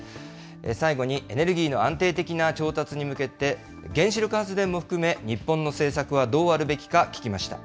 最後にエネルギーの安定的な調達に向けて、原子力発電も含め、日本の政策はどうあるべきか聞きました。